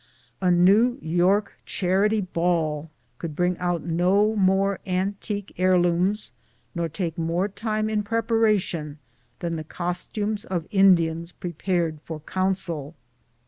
A !New York Charity Ball could bring out no more antique heirlooms, nor take more time in preparations than the costumes of Indians prepared for council.